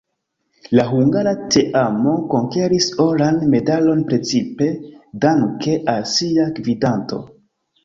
La hungara teamo konkeris oran medalon precipe danke al sia gvidanto.